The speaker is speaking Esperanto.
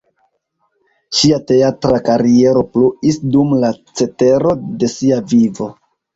Ŝia teatra kariero pluis dum la cetero de sia vivo.